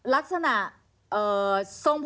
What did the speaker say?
ไม่เคยจำว่ามีใครจำหมวก